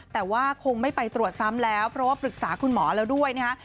แต่ว่าคงไม่ไปตรวจซ้ำแล้วเพราะว่าปรึกษาคุณหมอแล้วด้วยนะฮะ